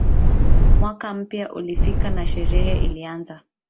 Mwaka mpya ulifika na sherehe ilianza